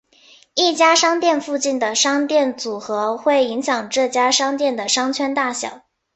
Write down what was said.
一家商店附近的商店组合会影响这家商店的商圈大小。